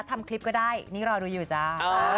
ทำคลิปก็ได้นี่รอดูอยู่จ้า